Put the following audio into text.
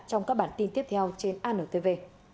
trong các bản tin tiếp theo trên anntv